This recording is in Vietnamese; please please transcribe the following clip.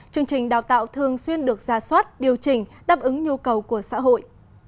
chương trình đào tạo thường xuyên được ra soát điều chỉnh đáp ứng nhu cầu của xã hội